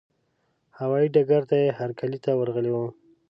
هوايي ډګر ته یې هرکلي ته ورغلي وو.